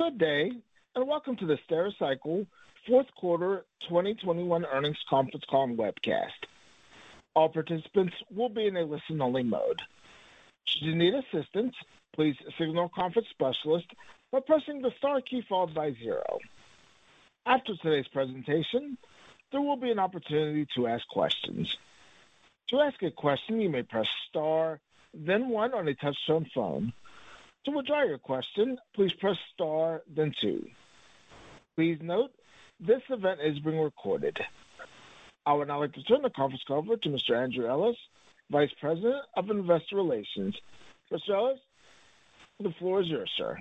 Good day, and welcome to the Stericycle fourth quarter 2021 earnings conference call and webcast. All participants will be in a listen-only mode. Should you need assistance, please signal a conference specialist by pressing the star key followed by zero. After today's presentation, there will be an opportunity to ask questions. To ask a question, you may press star, then one on a touch-tone phone. To withdraw your question, please press star then two. Please note this event is being recorded. I would now like to turn the conference call over to Mr. Andrew Ellis, Vice President of Investor Relations. Mr. Ellis, the floor is yours, sir.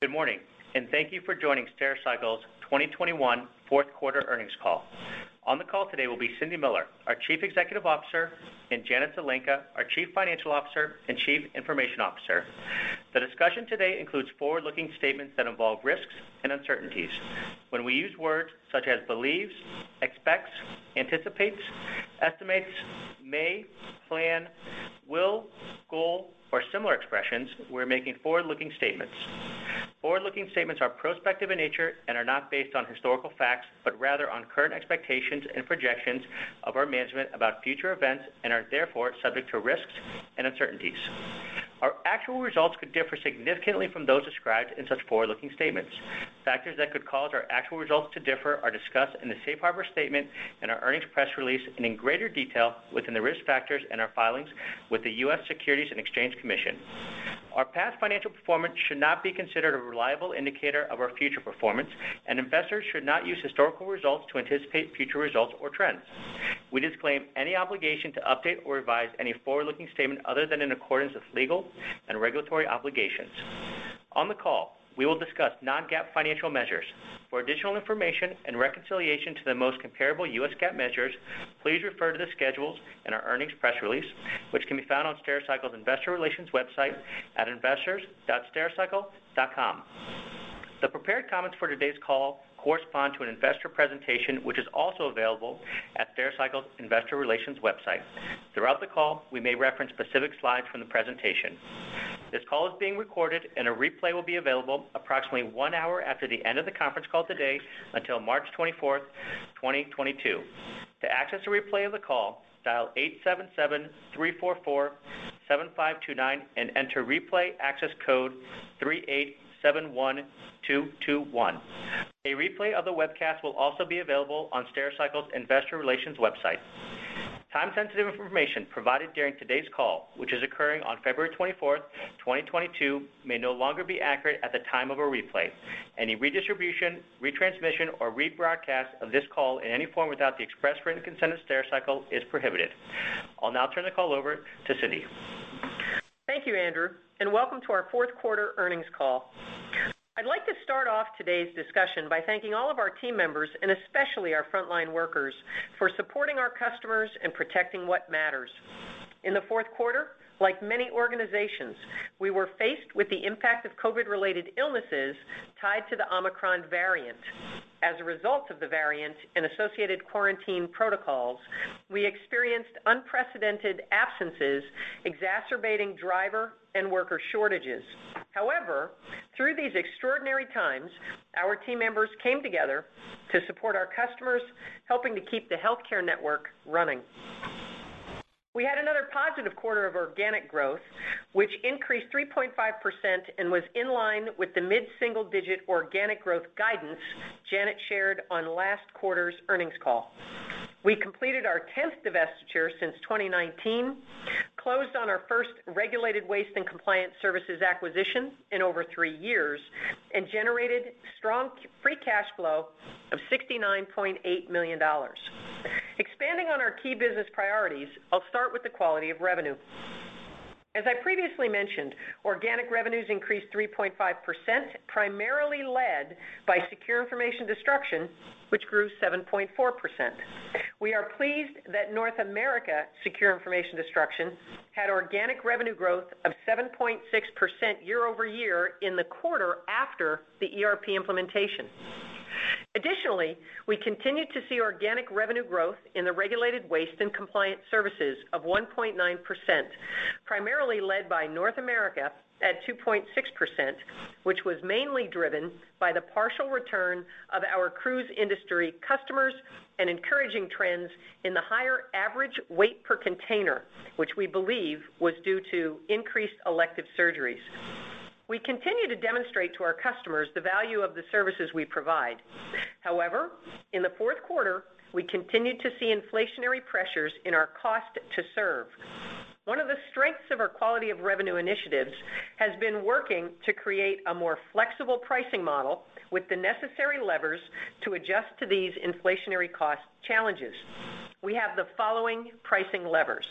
Good morning, and thank you for joining Stericycle's 2021 fourth quarter earnings call. On the call today will be Cindy Miller, our Chief Executive Officer, and Janet Zelenka, our Chief Financial Officer and Chief Information Officer. The discussion today includes forward-looking statements that involve risks and uncertainties. When we use words such as believes, expects, anticipates, estimates, may, plan, will, goal, or similar expressions, we're making forward-looking statements. Forward-looking statements are prospective in nature and are not based on historical facts, but rather on current expectations and projections of our management about future events and are therefore subject to risks and uncertainties. Our actual results could differ significantly from those described in such forward-looking statements. Factors that could cause our actual results to differ are discussed in the safe harbor statement and our earnings press release, and in greater detail within the risk factors in our filings with the U.S. Securities and Exchange Commission. Our past financial performance should not be considered a reliable indicator of our future performance, and investors should not use historical results to anticipate future results or trends. We disclaim any obligation to update or revise any forward-looking statement other than in accordance with legal and regulatory obligations. On the call, we will discuss non-GAAP financial measures. For additional information and reconciliation to the most comparable U.S. GAAP measures, please refer to the schedules in our earnings press release, which can be found on Stericycle's Investor Relations website at investors.stericycle.com. The prepared comments for today's call correspond to an investor presentation, which is also available at Stericycle's Investor Relations website. Throughout the call, we may reference specific slides from the presentation. This call is being recorded, and a replay will be available approximately one hour after the end of the conference call today until March 24, 2022. To access a replay of the call, dial eight seven seven, three four four, seven five two nine and enter replay access code three eight seven one two two one. A replay of the webcast will also be available on Stericycle's Investor Relations website. Time-sensitive information provided during today's call, which is occurring on February 24, 2022, may no longer be accurate at the time of a replay. Any redistribution, retransmission, or rebroadcast of this call in any form without the express written consent of Stericycle is prohibited. I'll now turn the call over to Cindy. Thank you, Andrew, and welcome to our fourth quarter earnings call. I'd like to start off today's discussion by thanking all of our team members and especially our frontline workers for supporting our customers and protecting what matters. In the fourth quarter, like many organizations, we were faced with the impact of COVID-related illnesses tied to the Omicron variant. As a result of the variant and associated quarantine protocols, we experienced unprecedented absences, exacerbating driver and worker shortages. However, through these extraordinary times, our team members came together to support our customers, helping to keep the healthcare network running. We had another positive quarter of organic growth, which increased 3.5% and was in line with the mid-single-digit organic growth guidance Janet shared on last quarter's earnings call. We completed our 10th divestiture since 2019, closed on our first Regulated Waste and Compliance Services acquisition in over three years, and generated strong free cash flow of $69.8 million. Expanding on our key business priorities, I'll start with the quality of revenue. As I previously mentioned, organic revenues increased 3.5%, primarily led by Secure Information Destruction, which grew 7.4%. We are pleased that North America Secure Information Destruction had organic revenue growth of 7.6% year-over-year in the quarter after the ERP implementation. Additionally, we continued to see organic revenue growth in the Regulated Waste and Compliance Services of 1.9%, primarily led by North America at 2.6%, which was mainly driven by the partial return of our cruise industry customers and encouraging trends in the higher average weight per container, which we believe was due to increased elective surgeries. We continue to demonstrate to our customers the value of the services we provide. However, in the fourth quarter, we continued to see inflationary pressures in our cost to serve. One of the strengths of our quality of revenue initiatives has been working to create a more flexible pricing model with the necessary levers to adjust to these inflationary cost challenges. We have the following pricing levers.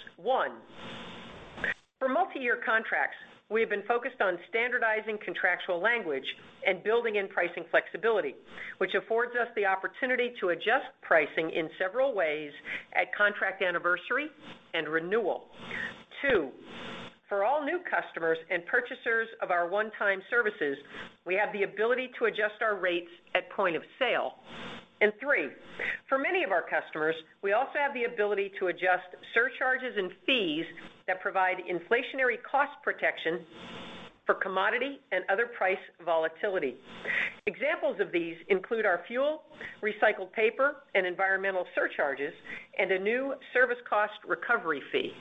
One, for multi-year contracts, we have been focused on standardizing contractual language and building in pricing flexibility, which affords us the opportunity to adjust pricing in several ways at contract anniversary and renewal. Two, for all new customers and purchasers of our one-time services, we have the ability to adjust our rates at point of sale. Three, for many of our customers, we also have the ability to adjust surcharges and fees that provide inflationary cost protection for commodity and other price volatility. Examples of these include our fuel, recycled paper, and environmental surcharges, and a new service cost recovery fee.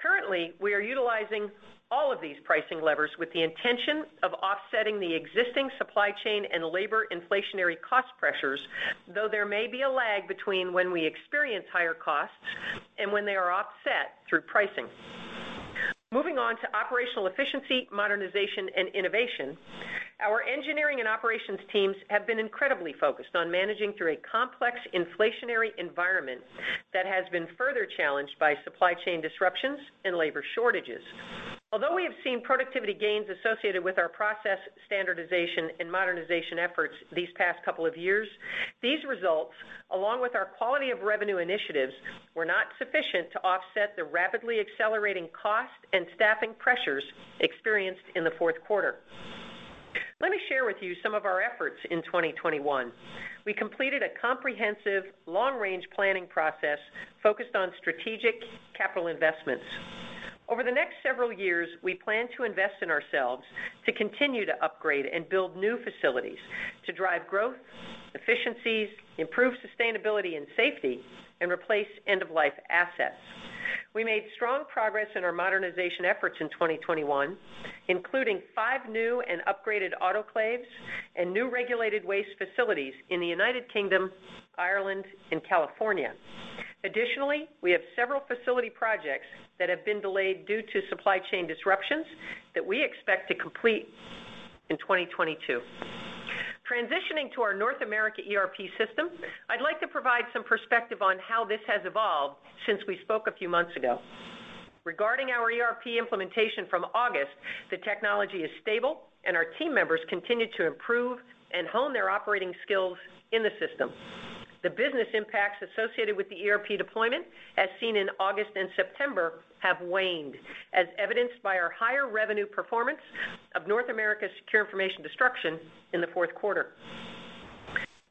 Currently, we are utilizing all of these pricing levers with the intention of offsetting the existing supply chain and labor inflationary cost pressures, though there may be a lag between when we experience higher costs and when they are offset through pricing. Moving on to operational efficiency, modernization, and innovation. Our engineering and operations teams have been incredibly focused on managing through a complex inflationary environment that has been further challenged by supply chain disruptions and labor shortages. Although we have seen productivity gains associated with our process standardization and modernization efforts these past couple of years, these results, along with our quality of revenue initiatives, were not sufficient to offset the rapidly accelerating cost and staffing pressures experienced in the fourth quarter. Let me share with you some of our efforts in 2021. We completed a comprehensive long-range planning process focused on strategic capital investments. Over the next several years, we plan to invest in ourselves to continue to upgrade and build new facilities to drive growth, efficiencies, improve sustainability and safety, and replace end-of-life assets. We made strong progress in our modernization efforts in 2021, including five new and upgraded autoclaves and new regulated waste facilities in the United Kingdom, Ireland, and California. Additionally, we have several facility projects that have been delayed due to supply chain disruptions that we expect to complete in 2022. Transitioning to our North America ERP system, I'd like to provide some perspective on how this has evolved since we spoke a few months ago. Regarding our ERP implementation from August, the technology is stable, and our team members continue to improve and hone their operating skills in the system. The business impacts associated with the ERP deployment, as seen in August and September, have waned, as evidenced by our higher revenue performance of North America's Secure Information Destruction in the fourth quarter.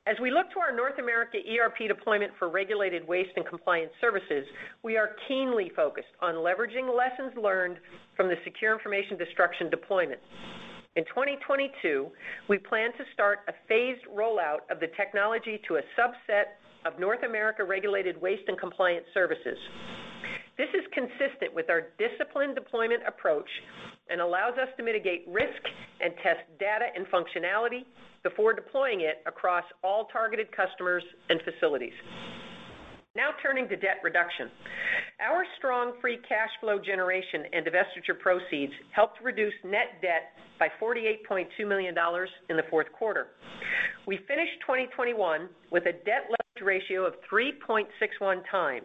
As we look to our North America ERP deployment for Regulated Waste and Compliance Services, we are keenly focused on leveraging lessons learned from the Secure Information Destruction deployment. In 2022, we plan to start a phased rollout of the technology to a subset of North America Regulated Waste and Compliance Services. This is consistent with our disciplined deployment approach and allows us to mitigate risk and test data and functionality before deploying it across all targeted customers and facilities. Now turning to debt reduction. Our strong free cash flow generation and divestiture proceeds helped reduce net debt by $48.2 million in the fourth quarter. We finished 2021 with a debt leverage ratio of 3.61x.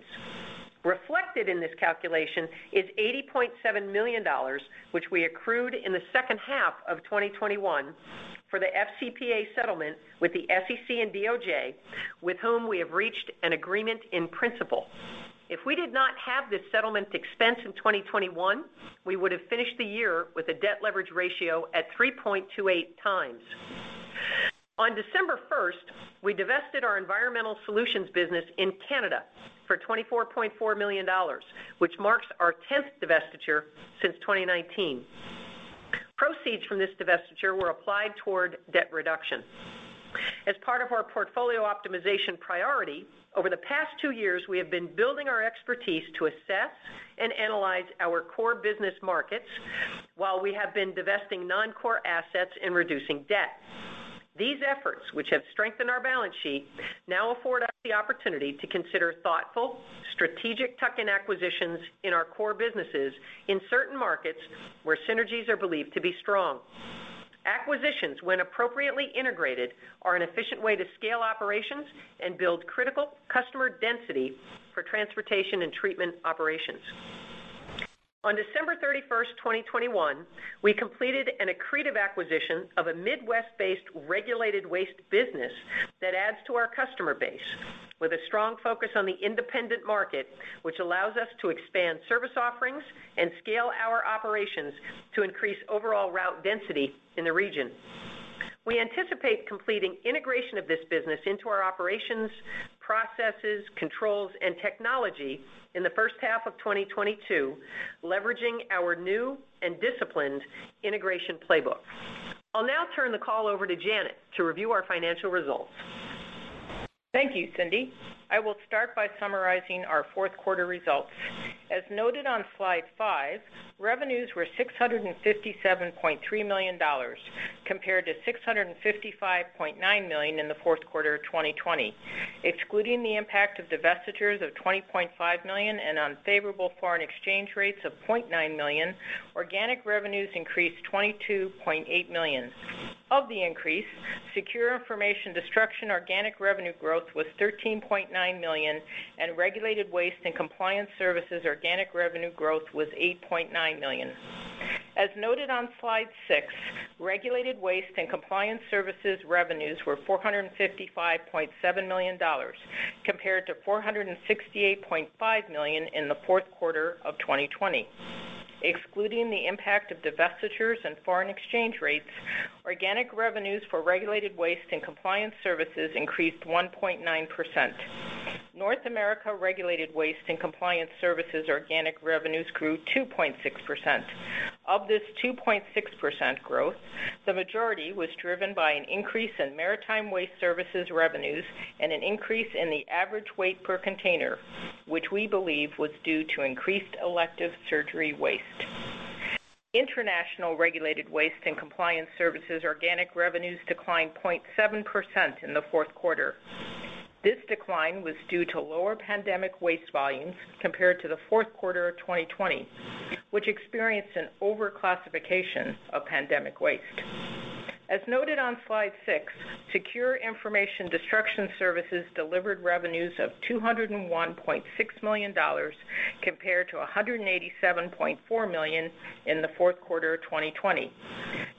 Reflected in this calculation is $80.7 million, which we accrued in the second half of 2021 for the FCPA settlement with the SEC and DOJ, with whom we have reached an agreement in principle. If we did not have this settlement expense in 2021, we would have finished the year with a debt leverage ratio at 3.28x. On December 1, we divested our Environmental Solutions business in Canada for $24.4 million, which marks our tenth divestiture since 2019. Proceeds from this divestiture were applied toward debt reduction. As part of our portfolio optimization priority, over the past two years, we have been building our expertise to assess and analyze our core business markets while we have been divesting non-core assets and reducing debt. These efforts, which have strengthened our balance sheet, now afford us the opportunity to consider thoughtful, strategic tuck-in acquisitions in our core businesses in certain markets where synergies are believed to be strong. Acquisitions, when appropriately integrated, are an efficient way to scale operations and build critical customer density for transportation and treatment operations. On December 31, 2021, we completed an accretive acquisition of a Midwest-based regulated waste business that adds to our customer base with a strong focus on the independent market, which allows us to expand service offerings and scale our operations to increase overall route density in the region. We anticipate completing integration of this business into our operations, processes, controls, and technology in the first half of 2022, leveraging our new and disciplined integration playbook. I'll now turn the call over to Janet to review our financial results. Thank you, Cindy. I will start by summarizing our fourth quarter results. As noted on slide five, revenues were $657.3 million compared to $655.9 million in the fourth quarter of 2020. Excluding the impact of divestitures of $20.5 million and unfavorable foreign exchange rates of $0.9 million, organic revenues increased $22.8 million. Of the increase, Secure Information Destruction organic revenue growth was $13.9 million, and Regulated Waste and Compliance Services organic revenue growth was $8.9 million. As noted on slide six, Regulated Waste and Compliance Services revenues were $455.7 million compared to $468.5 million in the fourth quarter of 2020. Excluding the impact of divestitures and foreign exchange rates, organic revenues for regulated waste and compliance services increased 1.9%. North America regulated waste and compliance services organic revenues grew 2.6%. Of this 2.6% growth, the majority was driven by an increase in maritime waste services revenues and an increase in the average weight per container, which we believe was due to increased elective surgery waste. International regulated waste and compliance services organic revenues declined 0.7% in the fourth quarter. This decline was due to lower pandemic waste volumes compared to the fourth quarter of 2020, which experienced an overclassification of pandemic waste. As noted on slide six, Secure Information Destruction Services delivered revenues of $201.6 million compared to $187.4 million in the fourth quarter of 2020.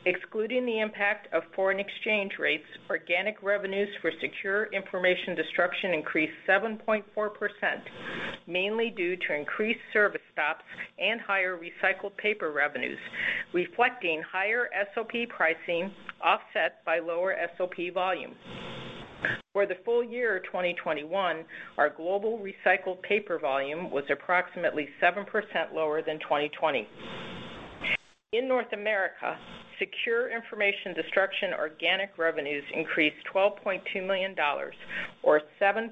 Excluding the impact of foreign exchange rates, organic revenues for Secure Information Destruction increased 7.4%, mainly due to increased service stops and higher recycled paper revenues, reflecting higher SOP pricing offset by lower SOP volume. For the full year of 2021, our global recycled paper volume was approximately 7% lower than 2020. In North America, Secure Information Destruction organic revenues increased $12.2 million or 7.6%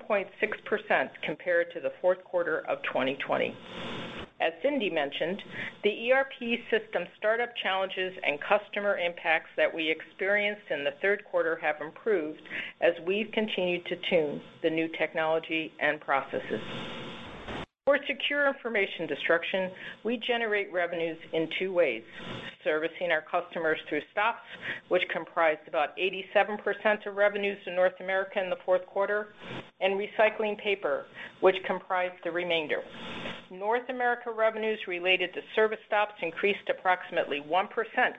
compared to the fourth quarter of 2020. As Cindy mentioned, the ERP system startup challenges and customer impacts that we experienced in the third quarter have improved as we've continued to tune the new technology and processes. For Secure Information Destruction, we generate revenues in two ways, servicing our customers through stops, which comprised about 87% of revenues to North America in the fourth quarter, and recycling paper, which comprised the remainder. North America revenues related to service stops increased approximately 1%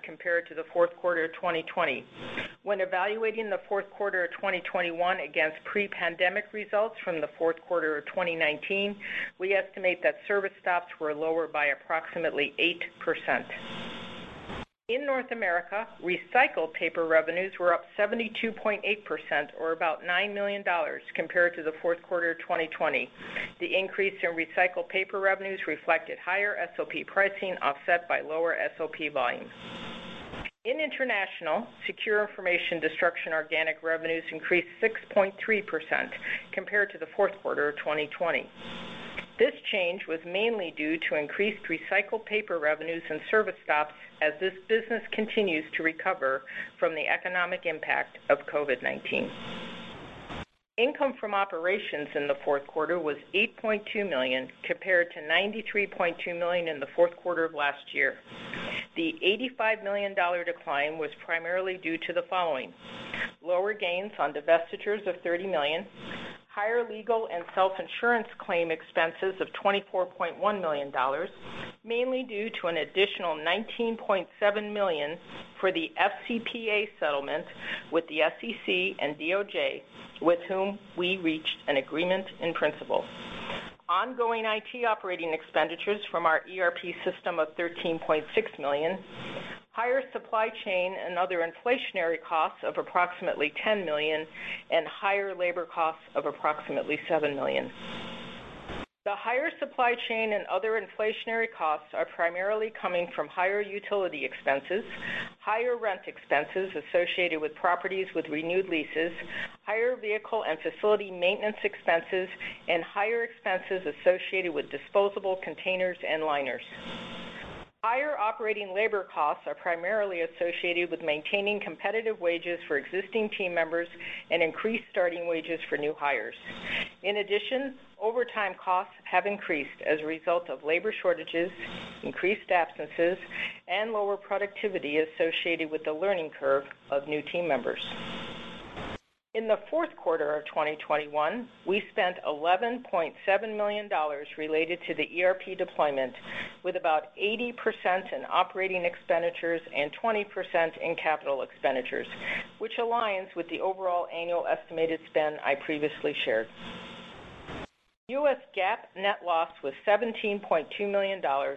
compared to the fourth quarter of 2020. When evaluating the fourth quarter of 2021 against pre-pandemic results from the fourth quarter of 2019, we estimate that service stops were lower by approximately 8%. In North America, recycled paper revenues were up 72.8% or about $9 million compared to the fourth quarter of 2020. The increase in recycled paper revenues reflected higher SOP pricing offset by lower SOP volumes. In international, Secure Information Destruction organic revenues increased 6.3% compared to the fourth quarter of 2020. This change was mainly due to increased recycled paper revenues and service stops as this business continues to recover from the economic impact of COVID-19. Income from operations in the fourth quarter was $8.2 million compared to $93.2 million in the fourth quarter of last year. The $85 million decline was primarily due to the following. Lower gains on divestitures of $30 million, higher legal and self-insurance claim expenses of $24.1 million, mainly due to an additional $19.7 million for the FCPA settlement with the SEC and DOJ, with whom we reached an agreement in principle. Ongoing IT operating expenditures from our ERP system of $13.6 million, higher supply chain and other inflationary costs of approximately $10 million, and higher labor costs of approximately $7 million. The higher supply chain and other inflationary costs are primarily coming from higher utility expenses, higher rent expenses associated with properties with renewed leases, higher vehicle and facility maintenance expenses, and higher expenses associated with disposable containers and liners. Higher operating labor costs are primarily associated with maintaining competitive wages for existing team members and increased starting wages for new hires. In addition, overtime costs have increased as a result of labor shortages, increased absences, and lower productivity associated with the learning curve of new team members. In the fourth quarter of 2021, we spent $11.7 million related to the ERP deployment, with about 80% in operating expenditures and 20% in capital expenditures, which aligns with the overall annual estimated spend I previously shared. U.S. GAAP net loss was $17.2 million or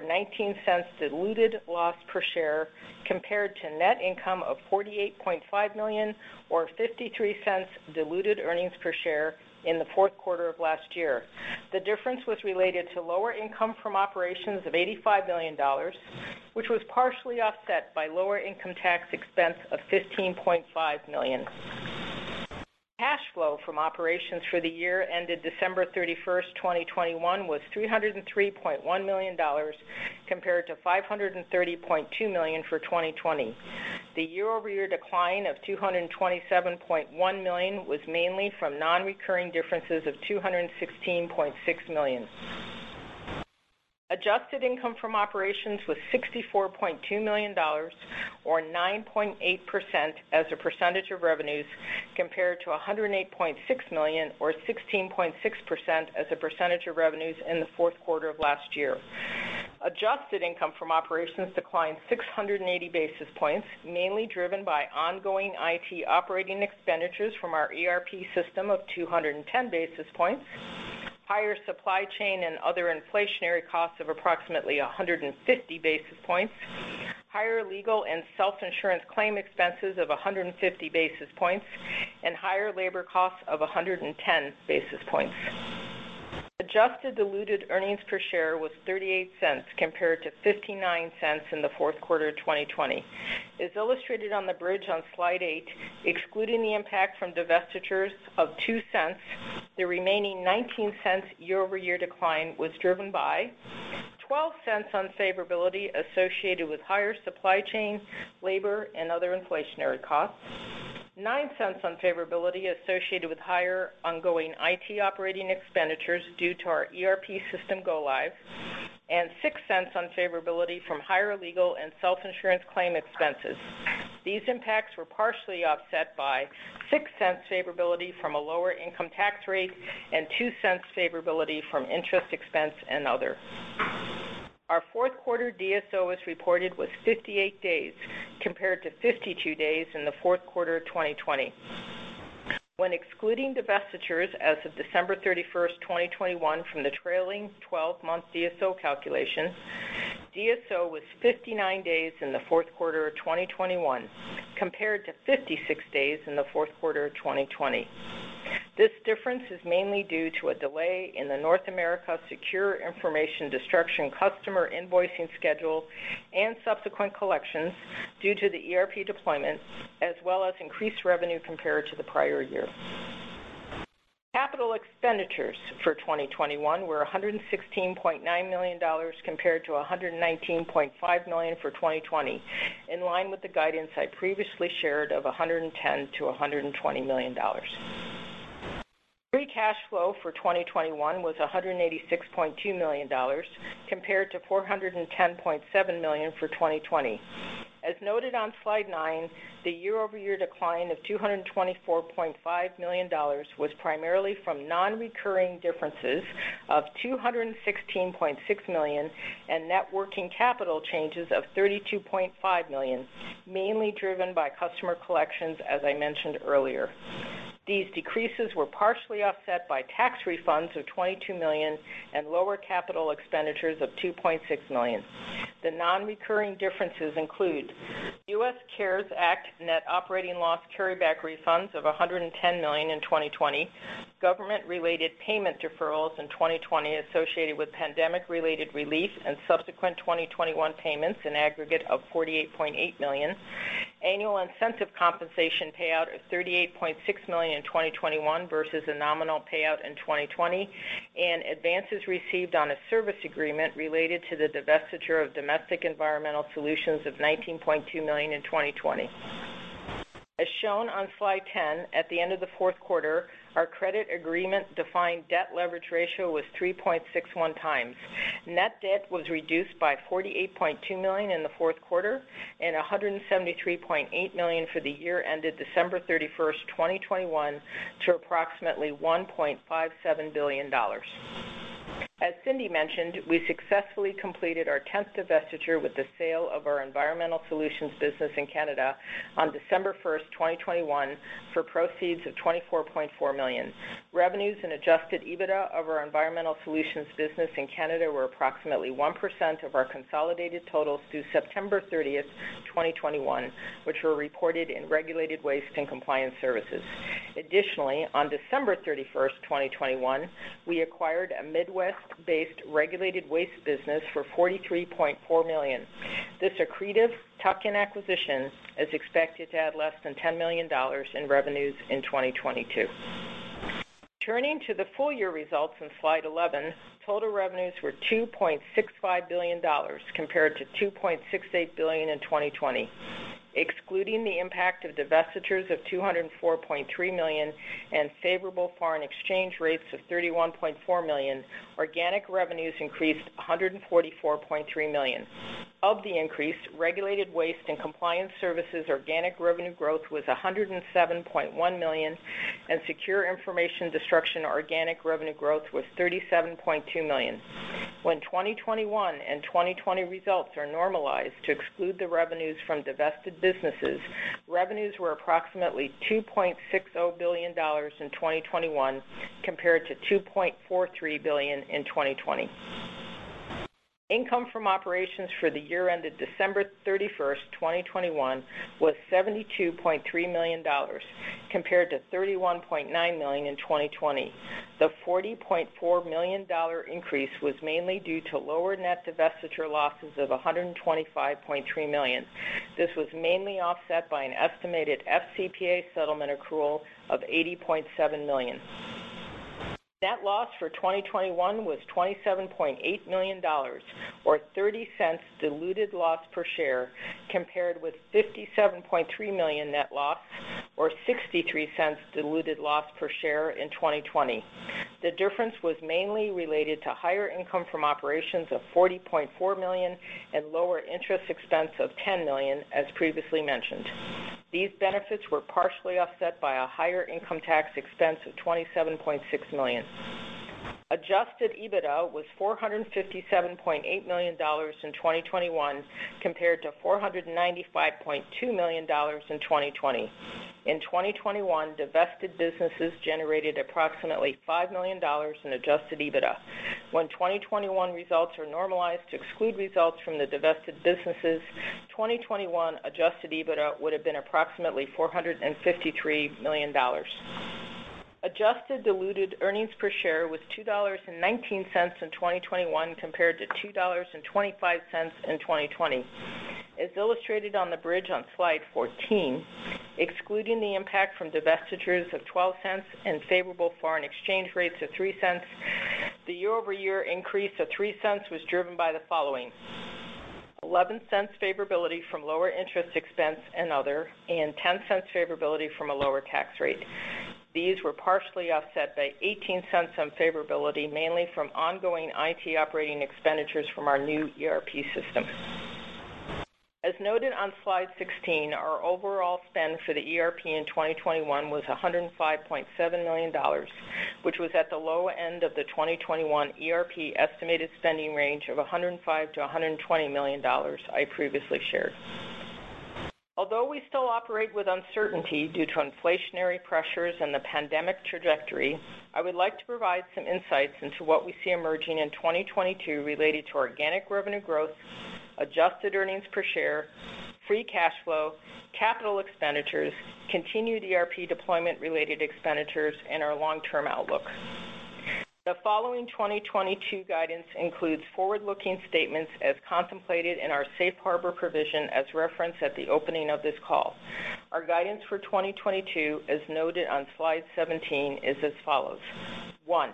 $0.19 diluted loss per share compared to net income of $48.5 million or $0.53 diluted earnings per share in the fourth quarter of last year. The difference was related to lower income from operations of $85 million, which was partially offset by lower income tax expense of $15.5 million. Cash flow from operations for the year ended December 31, 2021 was $303.1 million compared to $530.2 million for 2020. The year-over-year decline of $227.1 million was mainly from non-recurring differences of $216.6 million. Adjusted income from operations was $64.2 million or 9.8% as a percentage of revenues compared to $108.6 million or 16.6% as a percentage of revenues in the fourth quarter of last year. Adjusted income from operations declined 680 basis points, mainly driven by ongoing IT operating expenditures from our ERP system of 210 basis points. Higher supply chain and other inflationary costs of approximately 150 basis points, higher legal and self-insurance claim expenses of 150 basis points, and higher labor costs of 110 basis points. Adjusted diluted earnings per share was $0.38 compared to $0.59 in the fourth quarter of 2020. As illustrated on the bridge on slide eight, excluding the impact from divestitures of $0.02, the remaining $0.19 year-over-year decline was driven by $0.12 unfavorability associated with higher supply chain, labor, and other inflationary costs, $0.09 unfavorability associated with higher ongoing IT operating expenditures due to our ERP system go live, and $0.06 unfavorability from higher legal and self-insurance claim expenses. These impacts were partially offset by $0.06 favorability from a lower income tax rate and $0.02 favorability from interest expense and other. Our fourth quarter DSO, as reported, was 58 days compared to 52 days in the fourth quarter of 2020. When excluding divestitures as of December 31, 2021 from the trailing twelve-month DSO calculation, DSO was 59 days in the fourth quarter of 2021 compared to 56 days in the fourth quarter of 2020. This difference is mainly due to a delay in the North America Secure Information Destruction customer invoicing schedule and subsequent collections due to the ERP deployment, as well as increased revenue compared to the prior year. Capital expenditures for 2021 were $116.9 million compared to $119.5 million for 2020, in line with the guidance I previously shared of $110 million-$120 million. Free cash flow for 2021 was $186.2 million compared to $410.7 million for 2020. As noted on slide nine, the year-over-year decline of $224.5 million was primarily from non-recurring differences of $216.6 million and net working capital changes of $32.5 million, mainly driven by customer collections, as I mentioned earlier. These decreases were partially offset by tax refunds of $22 million and lower capital expenditures of $2.6 million. The non-recurring differences include US CARES Act net operating loss carryback refunds of $110 million in 2020, government-related payment deferrals in 2020 associated with pandemic-related relief and subsequent 2021 payments, an aggregate of $48.8 million. Annual incentive compensation payout of $38.6 million in 2021 versus a nominal payout in 2020, and advances received on a service agreement related to the divestiture of domestic Environmental Solutions of $19.2 million in 2020. As shown on slide 10, at the end of the fourth quarter, our credit agreement defined debt leverage ratio was 3.61x. Net debt was reduced by $48.2 million in the fourth quarter and $173.8 million for the year ended December 31, 2021 to approximately $1.57 billion. As Cindy mentioned, we successfully completed our tenth divestiture with the sale of our Environmental Solutions business in Canada on December 1, 2021 for proceeds of $24.4 million. Revenues and Adjusted EBITDA of our Environmental Solutions business in Canada were approximately 1% of our consolidated totals through September 30, 2021, which were reported in Regulated Waste and Compliance Services. Additionally, on December 31, 2021, we acquired a Midwest-based regulated waste business for $43.4 million. This accretive tuck-in acquisition is expected to add less than $10 million in revenues in 2022. Turning to the full year results on slide 11, total revenues were $2.65 billion compared to $2.68 billion in 2020. Excluding the impact of divestitures of $204.3 million and favorable foreign exchange rates of $31.4 million, organic revenues increased $144.3 million. Of the increase, Regulated Waste and Compliance Services organic revenue growth was $107.1 million, and Secure Information Destruction organic revenue growth was $37.2 million. When 2021 and 2020 results are normalized to exclude the revenues from divested businesses, revenues were approximately $2.60 billion in 2021 compared to $2.43 billion in 2020. Income from operations for the year ended December 31, 2021 was $72.3 million compared to $31.9 million in 2020. The $40.4 million increase was mainly due to lower net divestiture losses of $125.3 million. This was mainly offset by an estimated FCPA settlement accrual of $80.7 million. Net loss for 2021 was $27.8 million or $0.30 diluted loss per share compared with $57.3 million net loss or $0.63 diluted loss per share in 2020. The difference was mainly related to higher income from operations of $40.4 million and lower interest expense of $10 million as previously mentioned. These benefits were partially offset by a higher income tax expense of $27.6 million. Adjusted EBITDA was $457.8 million in 2021 compared to $495.2 million in 2020. In 2021, divested businesses generated approximately $5 million in adjusted EBITDA. When 2021 results are normalized to exclude results from the divested businesses, 2021 adjusted EBITDA would have been approximately $453 million. Adjusted diluted earnings per share was $2.19 in 2021 compared to $2.25 in 2020. As illustrated on the bridge on slide 14, excluding the impact from divestitures of $0.12 and favorable foreign exchange rates of $0.03, the year-over-year increase of $0.03 was driven by the following, $0.11 favorability from lower interest expense and other, and $0.10 favorability from a lower tax rate. These were partially offset by $0.18 unfavorable, mainly from ongoing IT operating expenditures from our new ERP system. As noted on slide 16, our overall spend for the ERP in 2021 was $105.7 million, which was at the low end of the 2021 ERP estimated spending range of $105 million-$120 million I previously shared. Although we still operate with uncertainty due to inflationary pressures and the pandemic trajectory, I would like to provide some insights into what we see emerging in 2022 related to organic revenue growth, adjusted earnings per share, free cash flow, capital expenditures, continued ERP deployment related expenditures, and our long-term outlook. The following 2022 guidance includes forward-looking statements as contemplated in our safe harbor provision as referenced at the opening of this call. Our guidance for 2022, as noted on slide 17, is as follows. One,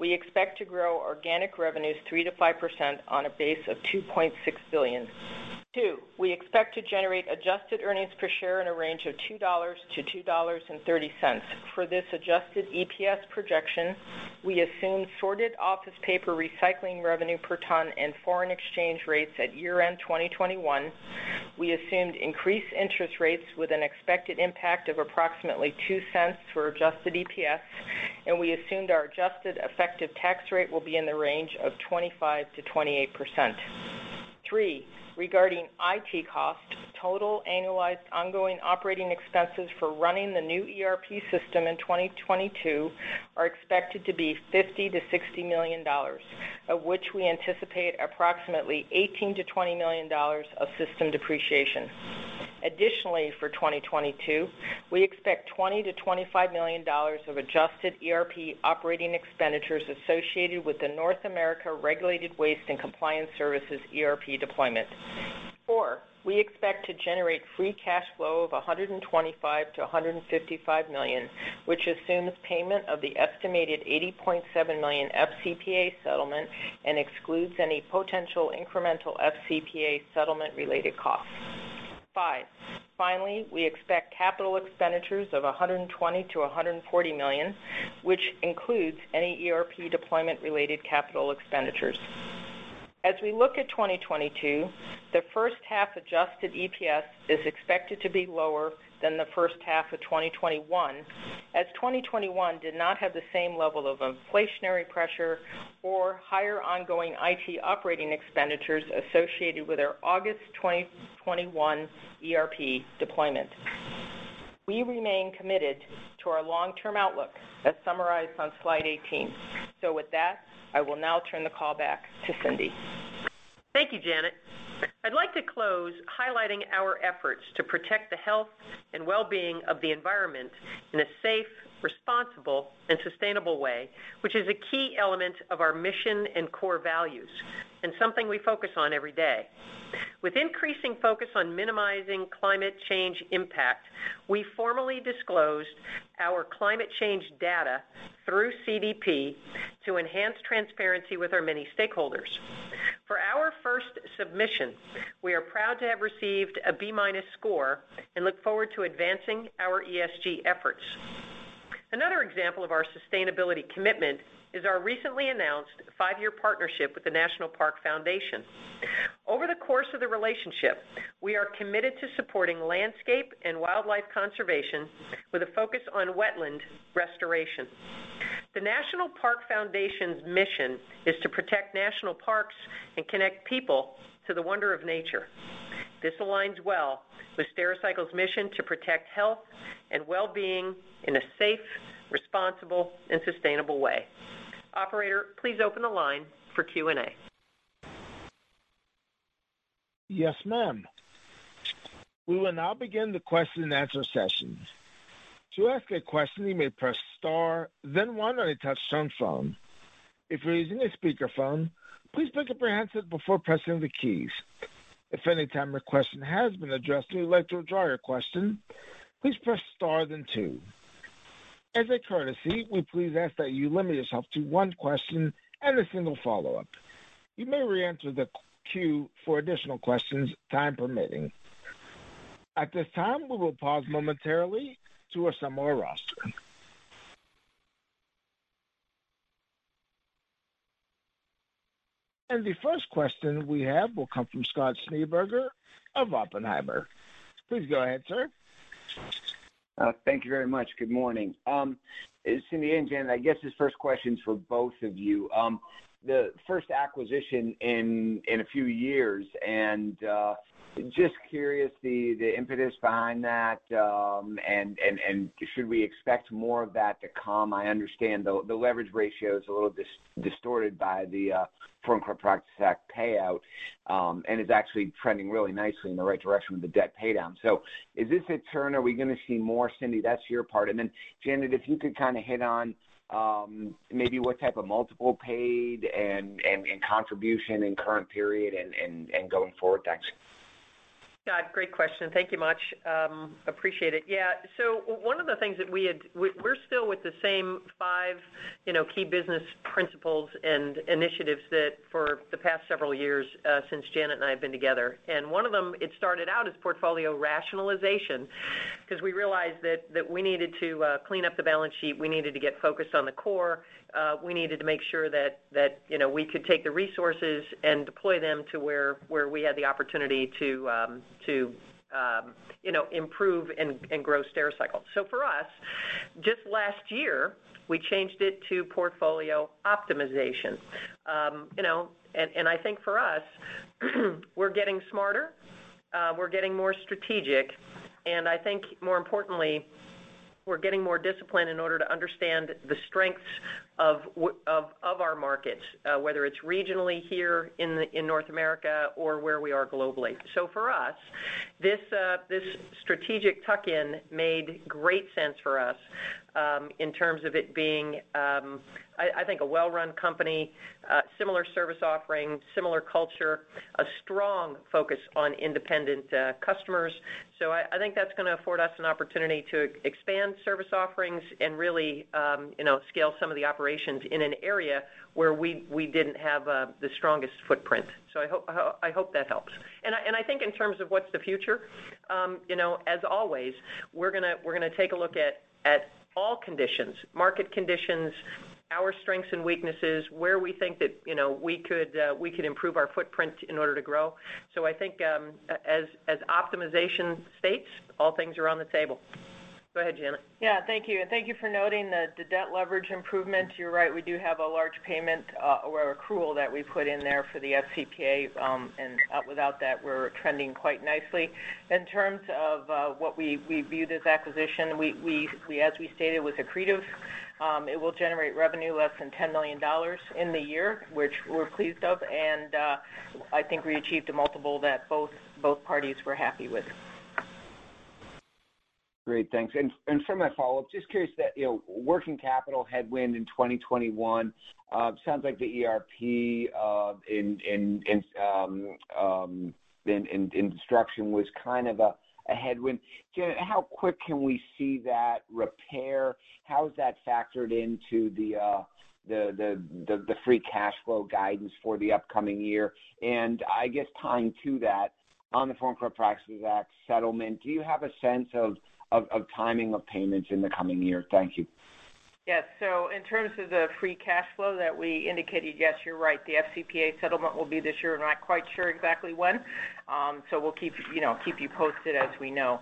we expect to grow organic revenues 3%-5% on a base of $2.6 billion. Two, we expect to generate adjusted earnings per share in a range of $2.00-$2.30. For this adjusted EPS projection, we assume sorted office paper recycling revenue per ton and foreign exchange rates at year-end 2021. We assumed increased interest rates with an expected impact of approximately $0.02 for adjusted EPS, and we assumed our adjusted effective tax rate will be in the range of 25%-28%. Three, regarding IT costs, total annualized ongoing operating expenses for running the new ERP system in 2022 are expected to be $50 million-$60 million, of which we anticipate approximately $18 million-$20 million of system depreciation. Additionally, for 2022, we expect $20 million-$25 million of adjusted ERP operating expenditures associated with the North America Regulated Waste and Compliance Services ERP deployment. Four, we expect to generate free cash flow of $125-$155 million, which assumes payment of the estimated $80.7 million FCPA settlement and excludes any potential incremental FCPA settlement-related costs. Five, finally, we expect capital expenditures of $120 million-$140 million, which includes any ERP deployment related capital expenditures. As we look at 2022, the first half adjusted EPS is expected to be lower than the first half of 2021, as 2021 did not have the same level of inflationary pressure or higher ongoing IT operating expenditures associated with our August 2021 ERP deployment. We remain committed to our long-term outlook as summarized on slide 18. With that, I will now turn the call back to Cindy. Thank you, Janet. I'd like to close highlighting our efforts to protect the health and well-being of the environment in a safe, responsible and sustainable way, which is a key element of our mission and core values and something we focus on every day. With increasing focus on minimizing climate change impact, we formally disclosed our climate change data through CDP to enhance transparency with our many stakeholders. For our first submission, we are proud to have received a B- score and look forward to advancing our ESG efforts. Another example of our sustainability commitment is our recently announced five-year partnership with the National Park Foundation. Over the course of the relationship, we are committed to supporting landscape and wildlife conservation with a focus on wetland restoration. The National Park Foundation's mission is to protect national parks and connect people to the wonder of nature. This aligns well with Stericycle's mission to protect health and well-being in a safe, responsible and sustainable way. Operator, please open the line for Q&A. Yes, ma'am. We will now begin the question and answer session. To ask a question, you may press star then one on a touch-tone phone. If you're using a speakerphone, please pick up your handset before pressing the keys. If any time your question has been addressed, or you'd like to withdraw your question, please press star then two. As a courtesy, we please ask that you limit yourself to one question and a single follow-up. You may re-enter the queue for additional questions, time permitting. At this time, we will pause momentarily to assemble our roster. The first question we have will come from Scott Schneeberger of Oppenheimer. Please go ahead, sir. Thank you very much. Good morning. Cindy and Janet, I guess this first question's for both of you. The first acquisition in a few years, and just curious the impetus behind that, and should we expect more of that to come? I understand the leverage ratio is a little distorted by the Foreign Corrupt Practices Act payout, and is actually trending really nicely in the right direction with the debt pay down. Is this a turn? Are we gonna see more? Cindy, that's your part. Janet, if you could kinda hit on maybe what type of multiple paid and contribution in current period and going forward. Thanks. Scott, great question. Thank you much. Appreciate it. Yeah, so one of the things that we had. We're still with the same five, you know, key business principles and initiatives that for the past several years, since Janet and I have been together. And one of them, it started out as portfolio rationalization 'cause we realized that we needed to clean up the balance sheet, we needed to get focused on the core, we needed to make sure that, you know, we could take the resources and deploy them to where we had the opportunity to to, you know, improve and grow Stericycle. For us, just last year, we changed it to portfolio optimization. You know, and I think for us, we're getting smarter, we're getting more strategic, and I think more importantly, we're getting more disciplined in order to understand the strengths of our markets, whether it's regionally here in North America or where we are globally. For us, this strategic tuck in made great sense for us, in terms of it being, I think a well-run company, similar service offering, similar culture, a strong focus on independent customers. I think that's gonna afford us an opportunity to expand service offerings and really, you know, scale some of the operations in an area where we didn't have the strongest footprint. I hope that helps. I think in terms of what's the future, you know, as always, we're gonna take a look at all conditions, market conditions, our strengths and weaknesses, where we think that, you know, we could improve our footprint in order to grow. I think, as optimization states, all things are on the table. Go ahead, Janet. Yeah. Thank you. Thank you for noting the debt leverage improvements. You're right, we do have a large payment or accrual that we put in there for the FCPA. Without that, we're trending quite nicely. In terms of what we view this acquisition as we stated with Accretive, it will generate revenue less than $10 million in the year, which we're pleased of. I think we achieved a multiple that both parties were happy with. Great. Thanks. For my follow-up, just curious that, you know, working capital headwind in 2021 sounds like the ERP in disruption was kind of a headwind. Janet, how quick can we see that repair? How is that factored into the free cash flow guidance for the upcoming year? I guess tying to that, on the Foreign Corrupt Practices Act settlement, do you have a sense of timing of payments in the coming year? Thank you. Yes. In terms of the free cash flow that we indicated, yes, you're right, the FCPA settlement will be this year. We're not quite sure exactly when. We'll keep, you know, keep you posted as we know.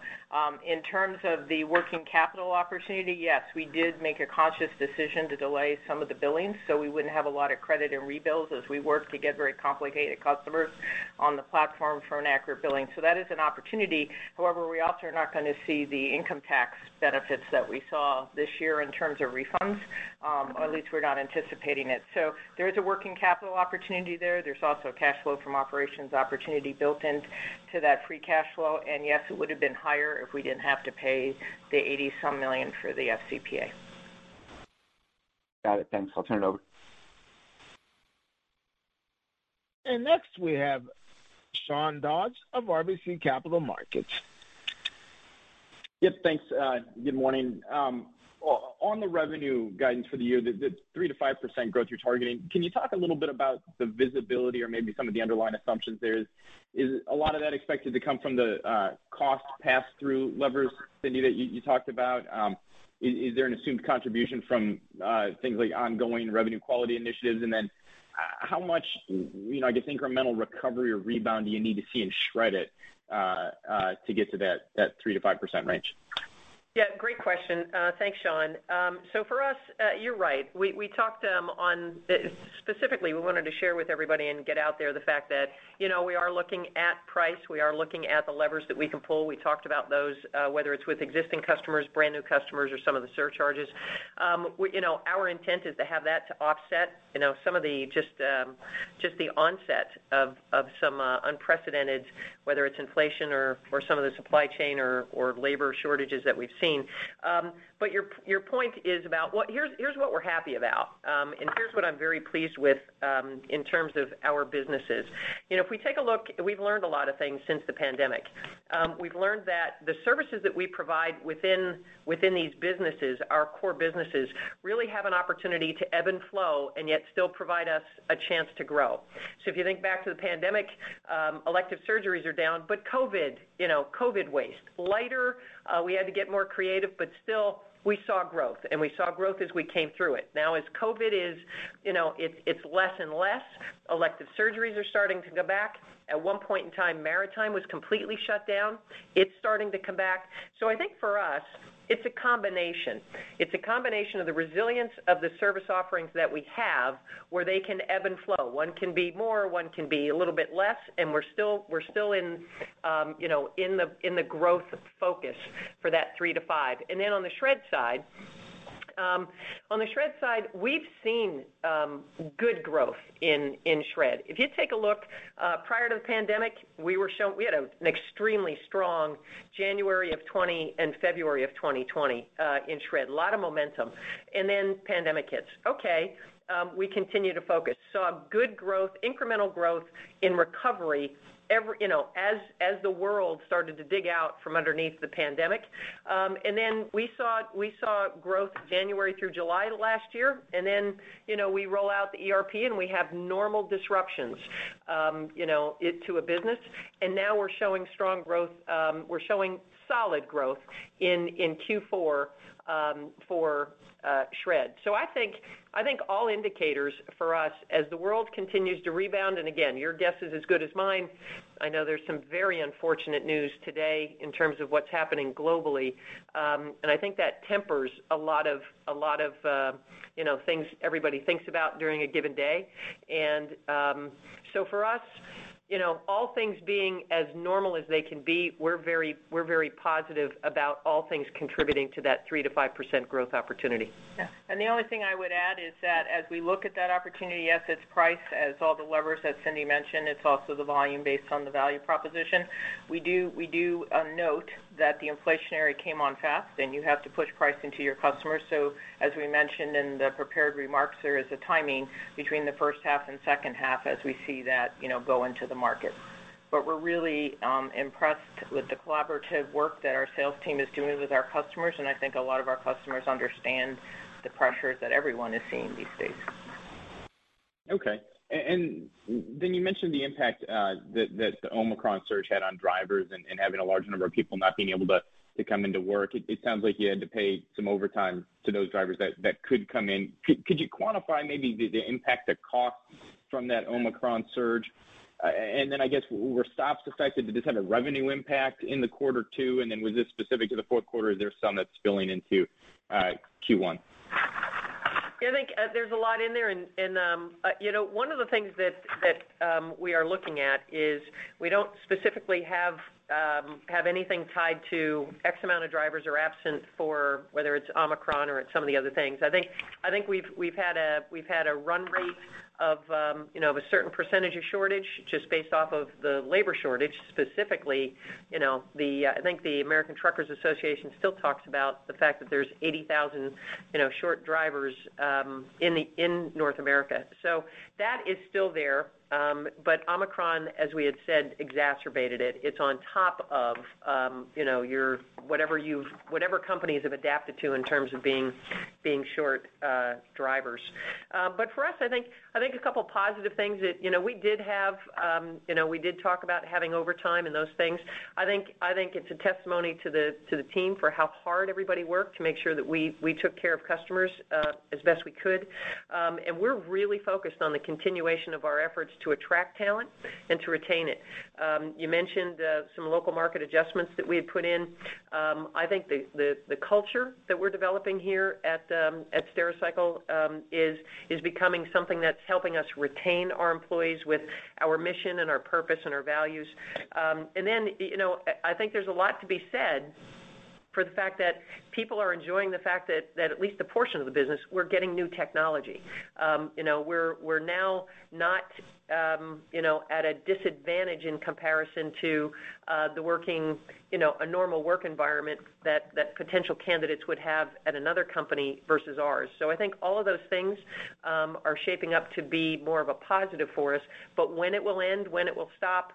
In terms of the working capital opportunity, yes, we did make a conscious decision to delay some of the billings, so we wouldn't have a lot of credit and rebills as we work to get very complicated customers on the platform for an accurate billing. That is an opportunity. However, we also are not gonna see the income tax benefits that we saw this year in terms of refunds, or at least we're not anticipating it. There is a working capital opportunity there. There's also cash flow from operations opportunity built into that free cash flow. Yes, it would have been higher if we didn't have to pay the $80-some million for the FCPA. Got it. Thanks. I'll turn it over. Next we have Sean Dodge of RBC Capital Markets. Yep. Thanks. Good morning. On the revenue guidance for the year, the 3%-5% growth you're targeting, can you talk a little bit about the visibility or maybe some of the underlying assumptions there? Is a lot of that expected to come from the cost pass-through levers, Cindy, that you talked about? Is there an assumed contribution from things like ongoing revenue quality initiatives? Then how much, you know, I guess, incremental recovery or rebound do you need to see in Shred-it to get to that 3%-5% range? Yeah, great question. Thanks, Sean. For us, you're right. We talked specifically, we wanted to share with everybody and get out there the fact that, you know, we are looking at price, we are looking at the levers that we can pull. We talked about those, whether it's with existing customers, brand new customers or some of the surcharges. You know, our intent is to have that to offset, you know, some of the just the onset of some unprecedented, whether it's inflation or some of the supply chain or labor shortages that we've seen. Your point is about what. Here's what we're happy about, and here's what I'm very pleased with, in terms of our businesses. You know, if we take a look, we've learned a lot of things since the pandemic. We've learned that the services that we provide within these businesses, our core businesses, really have an opportunity to ebb and flow, and yet still provide us a chance to grow. If you think back to the pandemic, elective surgeries are down, but COVID, you know, COVID waste, we had to get more creative, but still we saw growth, and we saw growth as we came through it. Now, as COVID is, you know, it's less and less, elective surgeries are starting to come back. At one point in time, maritime was completely shut down. It's starting to come back. I think for us, it's a combination. It's a combination of the resilience of the service offerings that we have, where they can ebb and flow. One can be more, one can be a little bit less, and we're still in, you know, in the growth focus for that 3%-5%. On the shred side, we've seen good growth in shred. If you take a look prior to the pandemic, we had an extremely strong January 2020 and February 2020 in shred. A lot of momentum. Pandemic hits. We continue to focus. Saw good growth, incremental growth in recovery every, you know, as the world started to dig out from underneath the pandemic. We saw growth January through July last year, and then, you know, we roll out the ERP, and we have normal disruptions, you know, introduced to a business. Now we're showing strong growth, we're showing solid growth in Q4 for shred. I think all indicators for us as the world continues to rebound, and again, your guess is as good as mine. I know there's some very unfortunate news today in terms of what's happening globally, and I think that tempers a lot of you know things everybody thinks about during a given day. For us, you know, all things being as normal as they can be, we're very positive about all things contributing to that 3%-5% growth opportunity. Yeah. The only thing I would add is that as we look at that opportunity, yes, it's price, as all the levers, as Cindy mentioned. It's also the volume based on the value proposition. We do note that inflation came on fast, and you have to push price into your customers. As we mentioned in the prepared remarks, there is a timing between the first half and second half as we see that, you know, go into the market. We're really impressed with the collaborative work that our sales team is doing with our customers, and I think a lot of our customers understand the pressures that everyone is seeing these days. You mentioned the impact that the Omicron surge had on drivers and having a large number of people not being able to come into work. It sounds like you had to pay some overtime to those drivers that could come in. Could you quantify maybe the impact, the cost from that Omicron surge? I guess were stops affected? Did this have a revenue impact in the quarter too? Was this specific to the fourth quarter, or there's some that's spilling into Q1? Yeah, I think there's a lot in there. You know, one of the things we are looking at is we don't specifically have anything tied to X amount of drivers are absent for whether it's Omicron or it's some of the other things. I think we've had a run rate of you know, of a certain percentage of shortage just based off of the labor shortage, specifically, you know, I think the American Trucking Associations still talks about the fact that there's 80,000 you know, short drivers in North America. That is still there. But Omicron, as we had said, exacerbated it. It's on top of you know, your whatever companies have adapted to in terms of being short drivers. For us, I think a couple positive things that, you know, we did have, you know, we did talk about having overtime and those things. I think it's a testimony to the team for how hard everybody worked to make sure that we took care of customers as best we could. We're really focused on the continuation of our efforts to attract talent and to retain it. You mentioned some local market adjustments that we had put in. I think the culture that we're developing here at Stericycle is becoming something that's helping us retain our employees with our mission and our purpose and our values. You know, I think there's a lot to be said for the fact that people are enjoying the fact that at least a portion of the business, we're getting new technology. You know, we're now not, you know, at a disadvantage in comparison to the working, you know, a normal work environment that potential candidates would have at another company versus ours. I think all of those things are shaping up to be more of a positive for us. When it will end, when it will stop,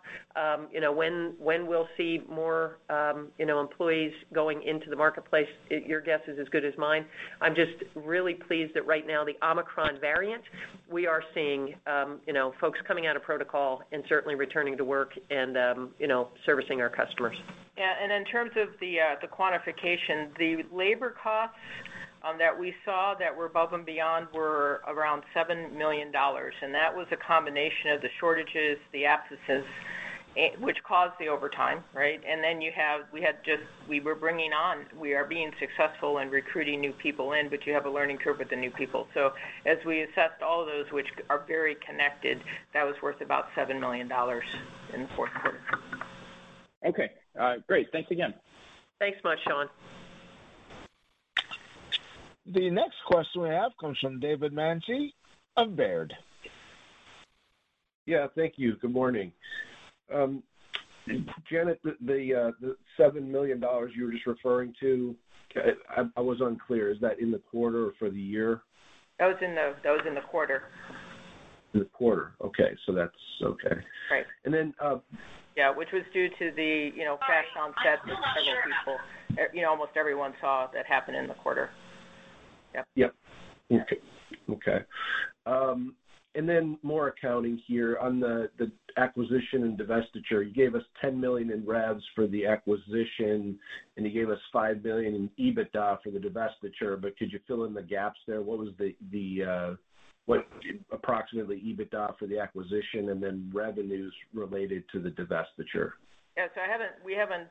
you know, when we'll see more, you know, employees going into the marketplace, your guess is as good as mine. I'm just really pleased that right now the Omicron variant, we are seeing, you know, folks coming out of protocol and certainly returning to work and, you know, servicing our customers. Yeah. In terms of the quantification, the labor costs that we saw that were above and beyond were around $7 million. That was a combination of the shortages, the absences, which caused the overtime, right? We were bringing on, we are being successful in recruiting new people in, but you have a learning curve with the new people. As we assessed all of those, which are very connected, that was worth about $7 million in the fourth quarter. Okay. Great. Thanks again. Thanks much, Sean. The next question we have comes from David Manthey of Baird. Yeah. Thank you. Good morning. Janet, the $7 million you were just referring to, I was unclear, is that in the quarter or for the year? That was in the quarter. In the quarter. Okay. That's okay. Right. And then, um- Yeah, which was due to the, you know, cash on hand people, you know, almost everyone saw that happen in the quarter. Yep. Yep. Okay. Then more accounting here on the acquisition and divestiture. You gave us $10 million in revs for the acquisition, and you gave us $5 billion in EBITDA for the divestiture. Could you fill in the gaps there? What was the approximate EBITDA for the acquisition and then revenues related to the divestiture? Yeah, we haven't.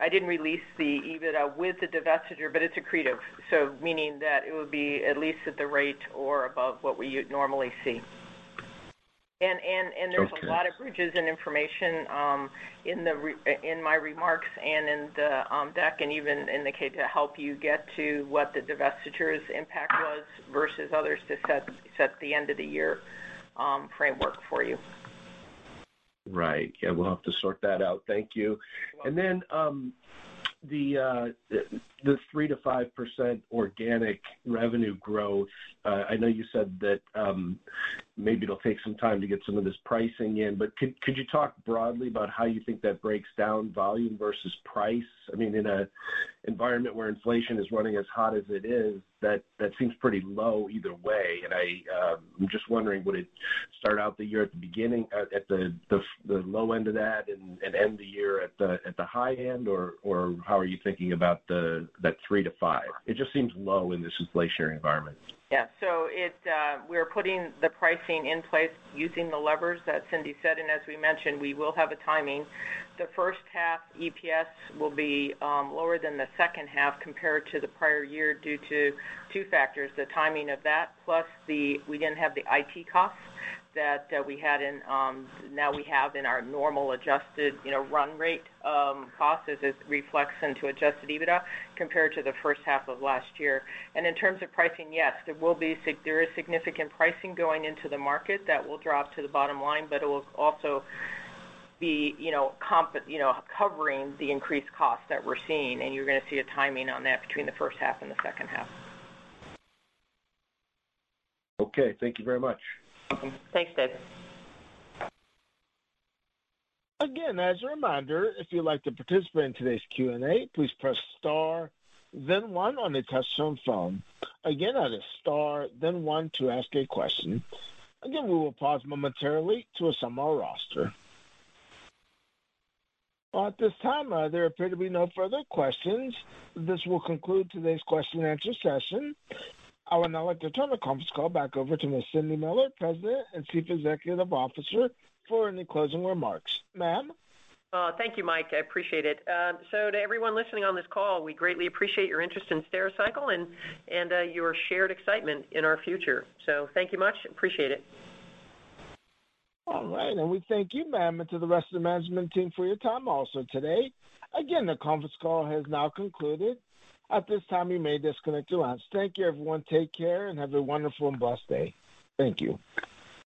I didn't release the EBITDA with the divestiture, but it's accretive, meaning that it would be at least at the rate or above what we would normally see. There's a lot of bridges and information in my remarks and in the deck and even in the K to help you get to what the divestiture's impact was versus others to set the end of the year framework for you. Right. Yeah, we'll have to sort that out. Thank you. Then, the 3%-5% organic revenue growth, I know you said that, maybe it'll take some time to get some of this pricing in, but could you talk broadly about how you think that breaks down volume versus price? I mean, in an environment where inflation is running as hot as it is, that seems pretty low either way. I just wondering, would it start out the year at the low end of that and end the year at the high end? Or how are you thinking about that 3%-5%? It just seems low in this inflationary environment. Yeah, we're putting the pricing in place using the levers that Cindy said, and as we mentioned, we will have a timing. The first half EPS will be lower than the second half compared to the prior year due to two factors, the timing of that, plus we didn't have the IT costs that we have now in our normal adjusted, you know, run rate cost as it reflects into Adjusted EBITDA compared to the first half of last year. In terms of pricing, yes, there is significant pricing going into the market that will drop to the bottom line, but it will also be, you know, covering the increased costs that we're seeing. You're gonna see a timing on that between the first half and the second half. Okay. Thank you very much. Thanks, Dave. Again, as a reminder, if you'd like to participate in today's Q&A, please press star then one on a touch-tone phone. Again, that is star then one to ask a question. Again, we will pause momentarily to assemble our roster. Well, at this time, there appear to be no further questions. This will conclude today's question and answer session. I would now like to turn the conference call back over to Miss Cindy Miller, President and Chief Executive Officer, for any closing remarks. Ma'am? Thank you, Mike. I appreciate it. To everyone listening on this call, we greatly appreciate your interest in Stericycle and your shared excitement in our future. Thank you much. Appreciate it. All right. We thank you, ma'am, and to the rest of the management team for your time also today. Again, the conference call has now concluded. At this time, you may disconnect your lines. Thank you, everyone. Take care, and have a wonderful and blessed day. Thank you.